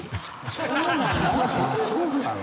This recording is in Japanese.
そうなの？